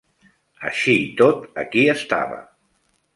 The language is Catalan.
Així i tot, aquí estava.